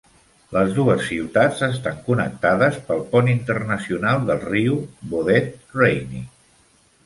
Les dues ciutats estan connectades pel pont internacional del riu Baudette - Rainy.